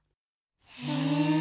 へえ。